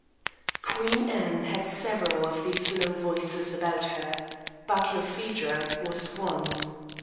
Queen Anne had several of these low voices about her. Barkilphedro was one.